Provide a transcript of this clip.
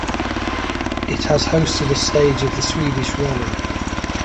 It has hosted a stage of the Swedish rally.